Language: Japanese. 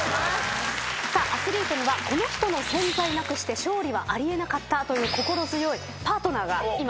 アスリートにはこの人の存在なくして勝利はあり得なかったという心強いパートナーがいます。